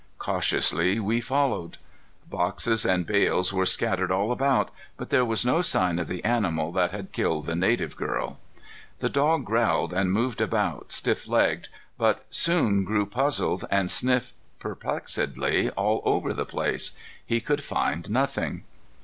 Cautiously, we followed. Boxes and bales were scattered all about, but there was no sign of the animal that had killed the native girl. The dog growled, and moved about, stiff legged, but soon grew puzzled and sniffed perplexedly all over the place. He could find nothing.